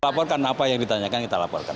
laporkan apa yang ditanyakan kita laporkan